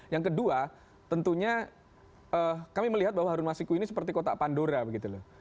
yang kedua tentunya kami melihat bahwa harun masiku ini seperti kota pandora begitu loh